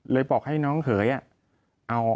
เลยบอกให้น้องเหยอ่ะ